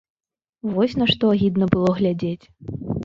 Вось на што агідна было глядзець.